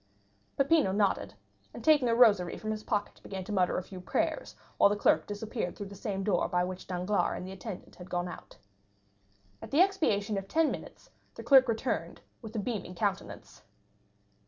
Peppino nodded, and taking a rosary from his pocket began to mutter a few prayers while the clerk disappeared through the same door by which Danglars and the attendant had gone out. At the expiration of ten minutes the clerk returned with a beaming countenance.